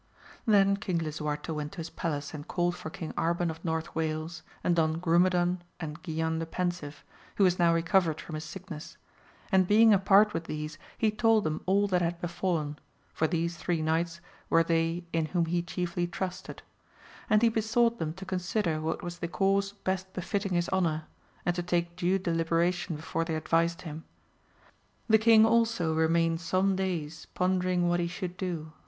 Then King Lisuarte went to his palace and called for King Arban of North Wales and Don Grumedan and Guilan the Pensive, who was now recovered from his sickness, and being apart with these he told them all that had befallen, for these three knights were they in whom he chiefly trusted : and he besought them to consider what was the course best befitting his honour, and to take due deliberation before they advised him. The king also remained some days pondering what he should do.